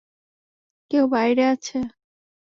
কেউ বাইরে আছে।